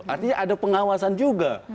artinya ada pengawasan juga